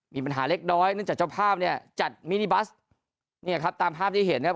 มีปัญหาเล็กน้อยเนื่องจากเจ้าภาพเนี่ยจัดมินิบัสเนี่ยครับตามภาพที่เห็นนะครับ